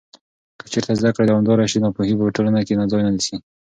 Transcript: که چېرته زده کړه دوامداره شي، ناپوهي په ټولنه کې ځای نه نیسي.